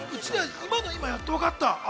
今の今、やっとわかった。